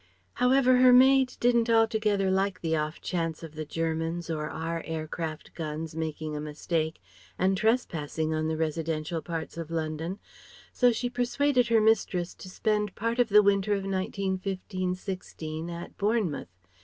However her maid didn't altogether like the off chance of the Germans or our air craft guns making a mistake and trespassing on the residential parts of London, so she persuaded her mistress to spend part of the winter of 1915 16 at Bournemouth.